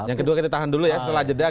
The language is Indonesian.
yang kedua kita tahan dulu ya setelah jeda